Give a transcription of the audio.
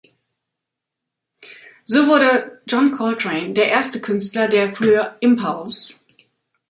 So wurde John Coltrane der erste Künstler, der für "Impulse!